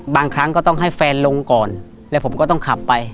บางครั้งก็ต้องให้แฟนลงก่อนแล้วผมก็ต้องขับไป